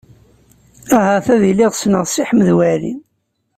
Ahat ad iliɣ ssneɣ Si Ḥmed Waɛli.